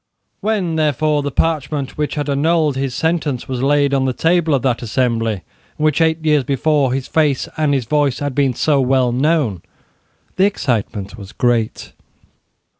When, therefore, the parchment which annulled his sentence was laid on the table of that assembly in which, eight years before, his face and his voice had been so well known, the excitement was great.